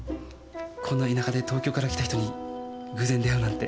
こんな田舎で東京から来た人に偶然出会うなんて。